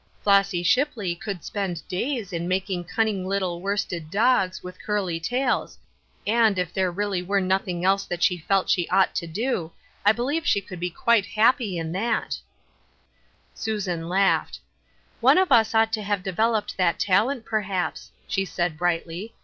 " Flossy Shipley could spend days in making cunning little worsted dogs, with curly tails, and, if there really were nothing else that she felt she ought to do, I believe she could be quite happy in that I " Susan laughed. •* One of us ought to have developed that tal ent, perhaps," she said, brightly.